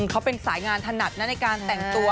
เขาเป็นสายงานถนัดนะในการแต่งตัว